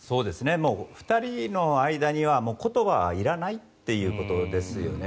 ２人の間には言葉はいらないということですよね。